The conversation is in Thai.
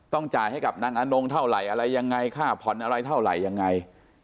จ่ายให้กับนางอนงเท่าไหร่อะไรยังไงค่าผ่อนอะไรเท่าไหร่ยังไง